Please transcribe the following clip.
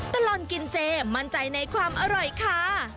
ตลอดกินเจมั่นใจในความอร่อยค่ะ